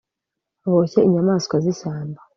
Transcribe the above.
boshye inyamaswa z'ishyamba